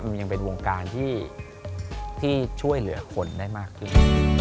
มันยังเป็นวงการที่ช่วยเหลือคนได้มากขึ้น